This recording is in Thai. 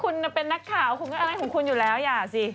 คุณจะเป็นนักข่าวคุณของคุณอยู่แล้วอย่าสิ